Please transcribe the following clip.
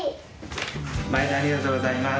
まいどありがとうございます。